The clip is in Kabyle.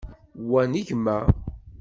Wa n gma.